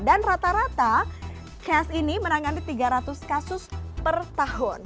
dan rata rata kes ini menangani tiga ratus kasus per tahun